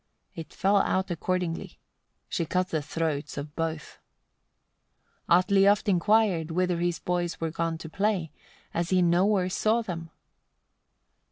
It fell out accordingly: she cut the throats of both. 76. Atli oft inquired whither his boys were gone to play, as he nowhere saw them?